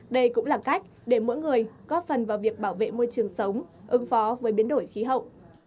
đây cũng là cách để mỗi người góp phần vào việc bảo vệ môi trường sống ứng phó với biến đổi khí hậu